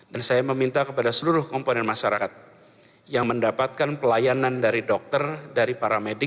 dan saya meminta kepada seluruh komponen masyarakat yang mendapatkan pelayanan dari dokter dari para medik